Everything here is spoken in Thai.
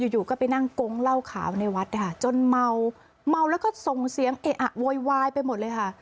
อยู่ก็ไปนั่งกงเล่าข่าวในวัดจนเมามัวแล้วก็ทรงเสียงโวยวายไปหมดเลยค่ะ